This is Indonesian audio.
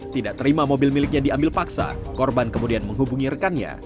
tidak terima mobil miliknya diambil paksa korban kemudian menghubungi rekannya